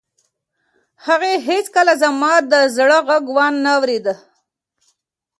هغې هیڅکله زما د زړه غږ و نه اورېد.